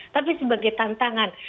tapi sebagai tantangan